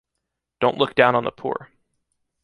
Don’t look down on the poor.